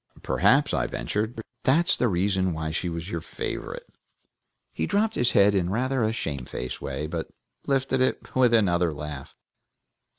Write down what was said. "Perhaps," I ventured, "that's the reason why she was your favorite." He dropped his head in rather a shamefaced way, but lifted it with another laugh.